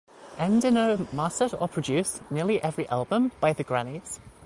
Endino mastered or produced nearly every album by The Grannies.